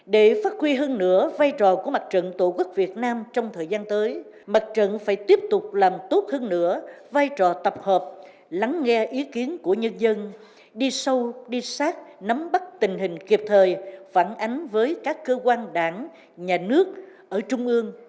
để phát huy hơn nữa vai trò của mặt trận tổ quốc việt nam trong thời gian tới mặt trận phải tiếp tục làm tốt hơn nữa vai trò tập hợp lắng nghe ý kiến của nhân dân đi sâu đi sát nắm bắt tình hình kịp thời phản ánh với các cơ quan đảng nhà nước ở trung ương